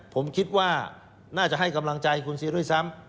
ผมคิดว่าน่าจะให้กำลังใจคุณซีด้วยซ้ำ